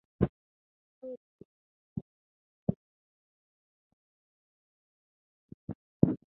"Through the Looking Glass" is the name of that station's Art in Transit.